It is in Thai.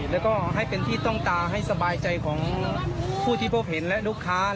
แล้วก็ให้เป็นที่ต้องตาให้สบายใจของผู้ที่พบเห็นและลูกค้า